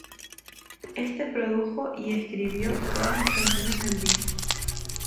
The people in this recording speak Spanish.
Éste produjo y escribió todas las canciones del disco.